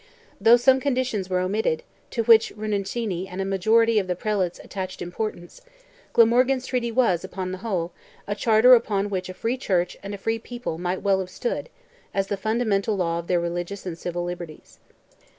Though some conditions were omitted, to which Rinuccini and a majority of the Prelates attached importance, Glamorgan's treaty was, upon the whole, a charter upon which a free church and a free people might well have stood, as the fundamental law of their religious and civil liberties.